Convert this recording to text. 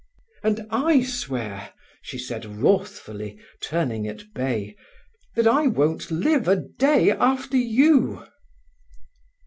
"And I swear," she said wrathfully, turning at bay, "that I won't live a day after you."